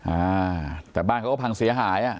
อ่าแต่บ้านเขาก็พังเสียหายอ่ะ